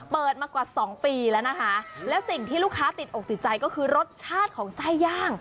มากว่าสองปีแล้วนะคะและสิ่งที่ลูกค้าติดอกติดใจก็คือรสชาติของไส้ย่าง